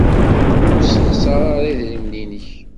Ur ssexṣar ara idrimen-nnek.